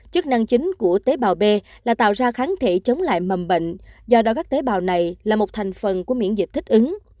chức năng chính của tế bào b là tạo ra kháng thể chống lại mầm bệnh do đó các tế bào này là một thành phần của miễn dịch thích ứng